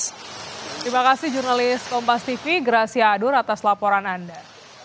terima kasih jurnalis kompas tv gracia adur atas laporan anda